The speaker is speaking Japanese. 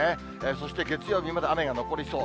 そして月曜日まで雨が残りそう。